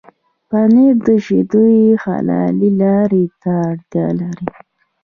پنېر د شيدو حلالې لارې ته اړتيا لري.